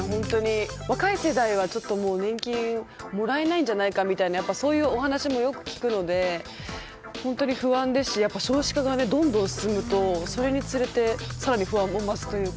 若い世代は年金もらえないんじゃないかとかそういうお話もよく聞くので本当に不安ですし少子化がどんどん進むとそれにつれて更に不安が増すというか。